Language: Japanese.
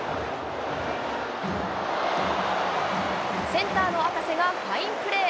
センターの赤瀬がファインプレー。